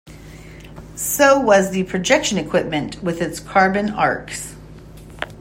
So was the projection equipment with its carbon arcs.